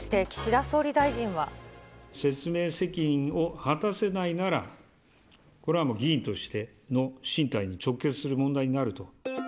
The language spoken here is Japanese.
説明責任を果たせないなら、これはもう議員としての進退に直結する問題になると。